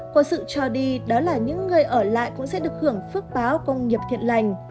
có sự cho đi đó là những người ở lại cũng sẽ được hưởng phước báo công nghiệp thiện lành